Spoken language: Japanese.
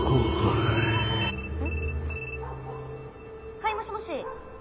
・はいもしもし。